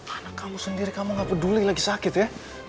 anak kamu sendiri kamu gak peduli lagi sakit ya